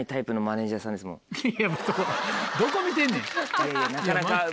いやどこ見てんねん！